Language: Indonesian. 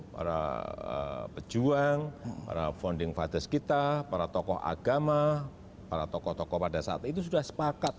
para pejuang para founding fathers kita para tokoh agama para tokoh tokoh pada saat itu sudah sepakat